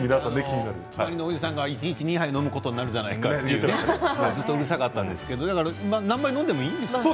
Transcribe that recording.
隣のおじさんが一日２杯飲むことになるじゃないか！とちょっとうるさかった何杯飲んでもいいんですよね。